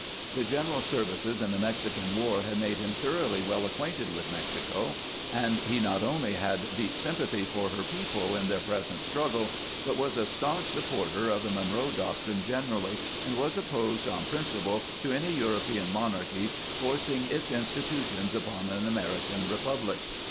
The general's services in the Mexican war had made him thoroughly well acquainted with Mexico, and he not only had deep sympathy for her people in their present struggle, but was a stanch supporter of the Monroe doctrine generally, and was opposed on princi ple to any European monarchy forcing its institutions upon an American republic.